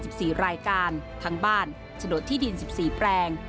ได้ทรัพย์สิน๗๔รายการทั้งบ้านโฉดที่ดิน๑๔แปลง